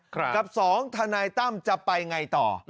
กับ๒ทนายตั้มจะไปไงต่อ